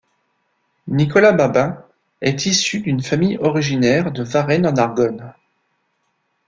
Nicolas Babin est issu d'une famille originaire de Varennes-en-Argonne.